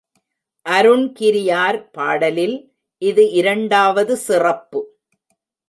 அருண்கிரியார் பாடலில் இது இரண்டாவது சிறப்பு.